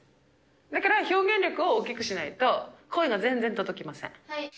だから表現力を大きくしないと、声が全然届きません。